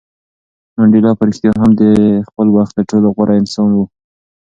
منډېلا په رښتیا هم د خپل وخت تر ټولو غوره انسان و.